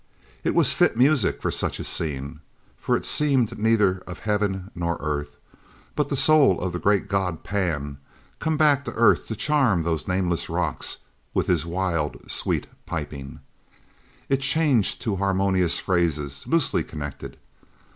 It was fit music for such a scene, for it seemed neither of heaven nor earth, but the soul of the great god Pan come back to earth to charm those nameless rocks with his wild, sweet piping. It changed to harmonious phrases loosely connected.